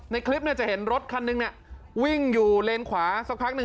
ในคลิปจะเห็นรถคันนึงวิ่งอยู่เลนขวาสักพักหนึ่ง